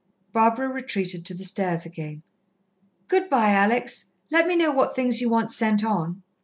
Barbara retreated to the stairs again. "Good bye, Alex. Let me know what things you want sent on."